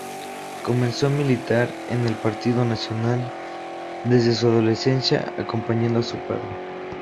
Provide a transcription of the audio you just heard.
Comenzó a militar en el Partido Nacional desde su adolescencia, acompañando a su padre.